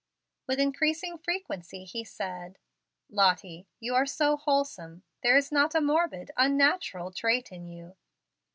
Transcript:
With increasing frequency he said, "Lottie, you are so wholesome; there is not a morbid, unnatural trait in you."